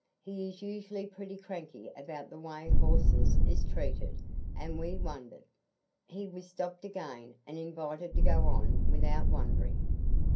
He is usually pretty cranky about the way horses is treated, and we wondered " He was stopped again and invited to go on without wondering.